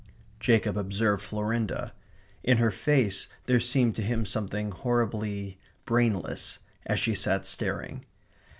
Jacob observed Florinda. In her face there seemed to him something horribly brainless as she sat staring.